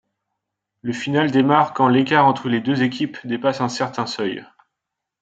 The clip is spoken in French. Le final démarre quand l'écart entre les deux équipes dépasse un certain seuil.